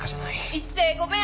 一星ごめん！